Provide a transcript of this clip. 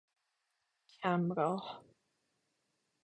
کم راه